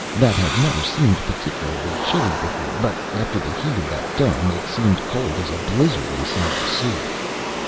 That had never seemed particularly chilly before, but after the heat of that dome, it seemed cold as a blizzard inside the suit.